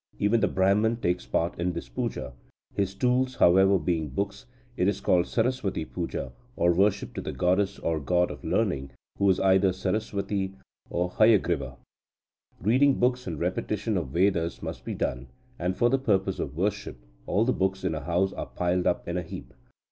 Even the Brahman takes part in this puja. His tools, however, being books, it is called Saraswati puja, or worship to the goddess or god of learning, who is either Saraswati or Hayagriva. Reading books and repetition of Vedas must be done, and, for the purpose of worship, all the books in a house are piled up in a heap.